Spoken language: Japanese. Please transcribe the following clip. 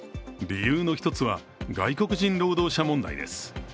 理由の一つは外国人労働者問題です。